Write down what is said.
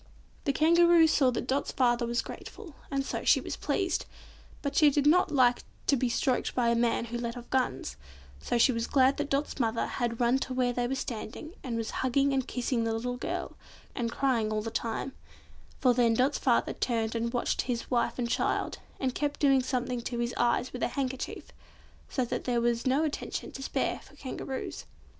The Kangaroo saw that Dot's father was grateful, and so she was pleased, but she did not like to be stroked by a man who let off guns, so she was glad that Dot's mother had run to where they were standing, and was hugging and kissing the little girl, and crying all the time; for then Dot's father turned and watched his wife and child, and kept doing something to his eyes with a handkerchief, so that there was no attention to spare for Kangaroos.